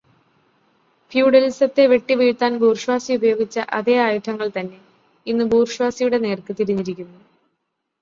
ഫ്യൂഡലിസത്തെ വെട്ടിവീഴ്ത്താൻ ബൂർഷ്വാസി ഉപയോഗിച്ച അതേ ആയുധങ്ങൾതന്നെ ഇന്ന് ബൂർഷ്വാസിയുടെ നേർക്ക് തിരിഞ്ഞിരിക്കുന്നു.